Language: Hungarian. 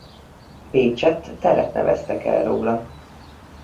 Pécsett teret neveztek el róla.